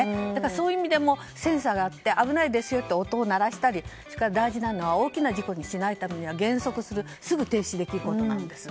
そういう意味でもセンサーがあって危ないですよって音を鳴らしたり大事なのは大きな事故にしないために減速するすぐ停止できることなんです。